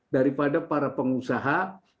daripada para pengusaha